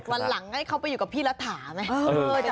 วันหลังให้เขาไปอยู่กับพี่รัฐาไหม